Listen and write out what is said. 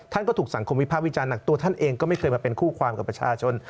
ท่านก็ถูกสังคมวิภาควิจารณหนักตัวท่านเองก็ไม่เคยมาเป็นคู่ความกับประชาชน